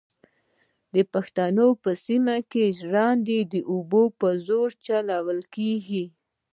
د پښتنو په سیمو کې ژرندې د اوبو په زور چلېږي.